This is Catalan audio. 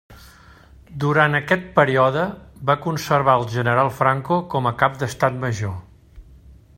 Durant aquest període, va conservar al general Franco com a cap d'Estat Major.